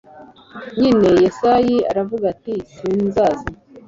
nyine yesayi aravuga ati sinzaza